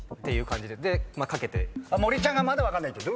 森ちゃんがまだ分かんないって。